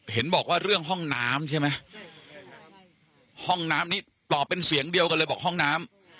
เห็นบอกว่าเรื่องห้องน้ำใช่ไหมห้องน้ำนี้ตอบเป็นเสียงเดียวกันเลยบอกห้องน้ำ